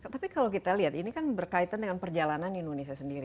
tapi kalau kita lihat ini kan berkaitan dengan perjalanan indonesia sendiri